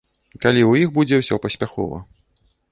Калі ў іх будзе ўсё паспяхова.